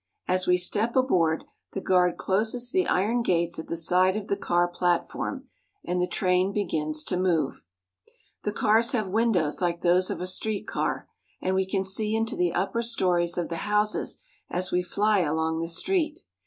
As we step aboard, the guard closes the iron gates at the side of the car platform, and the train begins to move. The cars have windows like those of a street car, and we can see into the upper stories of the houses as we fly along the street.